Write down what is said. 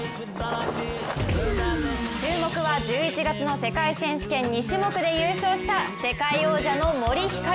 注目は１１月の世界選手権２種目で優勝した世界王者の森ひかる。